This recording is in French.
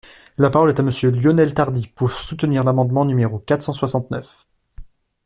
La parole est à Monsieur Lionel Tardy, pour soutenir l’amendement numéro quatre cent soixante-neuf.